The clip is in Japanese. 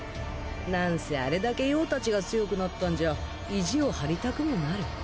なんせあれだけ葉たちが強くなったんじゃ意地を張りたくもなる。